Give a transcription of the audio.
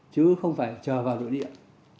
chứ không phải chờ vào đội điện